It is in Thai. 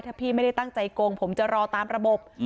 ถ้าพี่ไม่ได้ตั้งใจโกงผมจะรอตามระบบ